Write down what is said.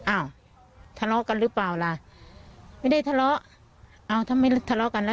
อ้าวทะเลาะกันหรือเปล่าล่ะไม่ได้ทะเลาะเอาถ้าไม่ทะเลาะกันแล้ว